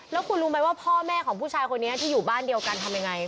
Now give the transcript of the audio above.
แล้วคุณรู้ไหมว่าพ่อแม่ของผู้ชายคนนี้ที่อยู่บ้านเดียวกันทำยังไง